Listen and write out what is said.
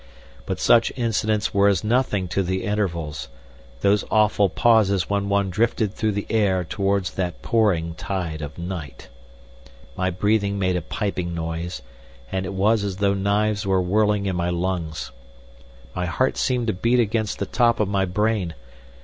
But such incidents were as nothing to the intervals, those awful pauses when one drifted through the air towards that pouring tide of night. My breathing made a piping noise, and it was as though knives were whirling in my lungs. My heart seemed to beat against the top of my brain.